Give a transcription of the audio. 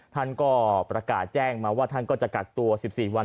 ท่านก็ประกาศแจ้งมาว่าท่านก็จะกักตัว๑๔วัน